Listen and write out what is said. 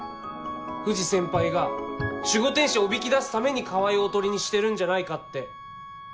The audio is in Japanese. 藤先輩が守護天使をおびき出すために川合をおとりにしてるんじゃないかって。